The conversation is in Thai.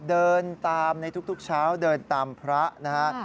เดินตามในทุกเช้าเดินตามพระนะฮะ